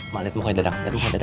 mak liat mukanya dadang